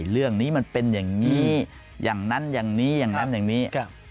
เรื่องนี้มันเป็นอย่างนี้อย่างนั้นอย่างนี้อย่างนั้นอย่างนี้